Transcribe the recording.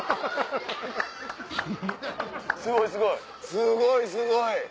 すごいすごい！